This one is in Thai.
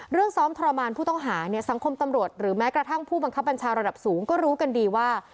เรื่องซ้อมทรมานผู้ต้องหาเนี่ยสังคมตำรวจหรือแม้กระทั่งผู้บังคับบัญชาระดับสูงก็รู้กันดีว่า